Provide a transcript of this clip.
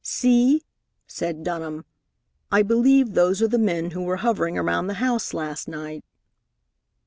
"See!" said Dunham. "I believe those are the men who were hovering around the house last night."